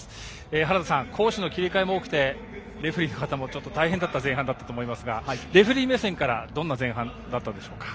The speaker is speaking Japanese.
原田さん、攻守の切り替えも多くレフリーの方も大変だった前半だったと思いますがレフリー目線からどんな前半でしたか？